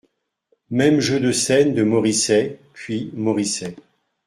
Même jeu de scène de Moricet, puis, Moricet .